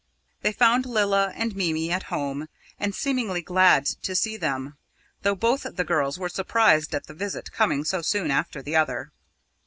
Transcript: They found Lilla and Mimi at home and seemingly glad to see them, though both the girls were surprised at the visit coming so soon after the other.